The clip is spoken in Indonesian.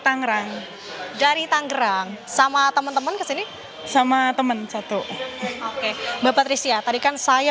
tangerang dari tanggerang sama teman teman kesini sama temen satu oke bapak trisya tadi kan saya